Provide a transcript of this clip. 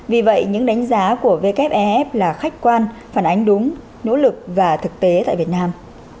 vì vậy những đánh giá của wfef là khách quan phản ánh đúng nỗ lực và thực tế tại việt nam